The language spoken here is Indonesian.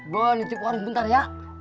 gua nicip warung bentar ya